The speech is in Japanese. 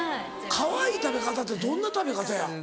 かわいい食べ方ってどんな食べ方や？